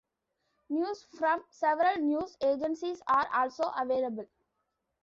News from several news agencies are also available.